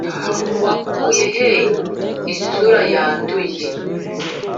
wakuye he isura yanduye,